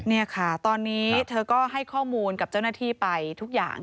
นี่ค่ะตอนนี้เธอก็ให้ข้อมูลกับเจ้าหน้าที่ไปทุกอย่าง